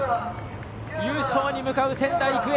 優勝に向かう仙台育英。